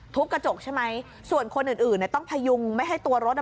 กระจกใช่ไหมส่วนคนอื่นอื่นเนี่ยต้องพยุงไม่ให้ตัวรถอ่ะ